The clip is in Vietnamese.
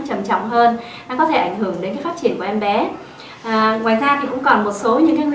trầm trọng hơn nó có thể ảnh hưởng đến cái phát triển của em bé ngoài ra thì cũng còn một số những người